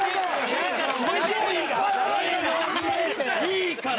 いいから！